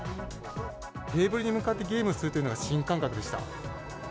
テーブルに向かってゲームするというのが新感覚でした。